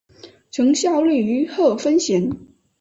曾效力于贺芬咸。